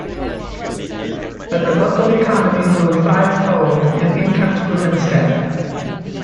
But the local economy grew fivefold, and incomes grew in step.